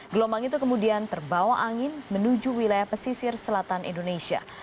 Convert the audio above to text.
gelombang itu kemudian terbawa angin menuju wilayah pesisir selatan indonesia